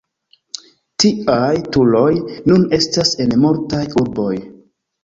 Tiaj turoj nun estas en multaj urboj.